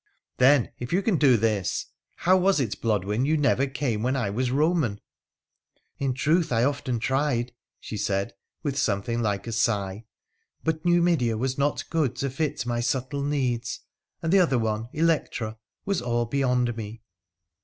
' Then, if you can do this, how was it, Blodwen, you never came when I was Eoman ?'' In truth, I often tried,' she said, with something like a sigh, ' but Numidea was not good to fit my subtle needs, and the other one, Electra, was all beyond me.'